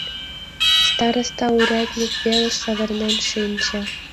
Староста урядник велыш савырнен шинче.